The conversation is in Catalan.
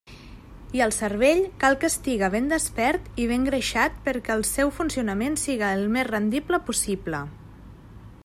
I el cervell cal que estiga ben despert i ben greixat perquè el seu funcionament siga el més rendible possible.